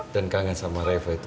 kangen sama reva itu